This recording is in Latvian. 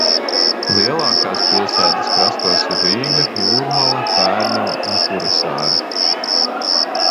Lielākās pilsētas krastos ir Rīga, Jūrmala, Pērnava un Kuresāre.